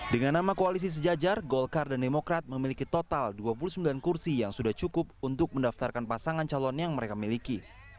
dengan nama koalisi sejajar golkar dan demokrat memiliki total dua puluh sembilan kursi yang sudah cukup untuk mendaftarkan pasangan calon yang mereka miliki